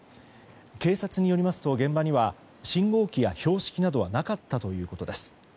警察によりますと現場には信号機や標識などはなかったということです。